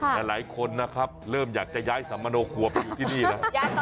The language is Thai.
หลายคนนะครับเริ่มอยากจะย้ายสมโมโนคลักษณ์ทีนี้นะ